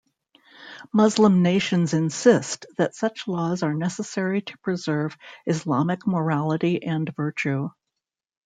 Muslim nations insist that such laws are necessary to preserve Islamic morality and virtue.